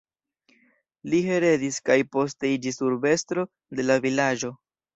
Li heredis, kaj poste iĝis urbestro de la vilaĝo.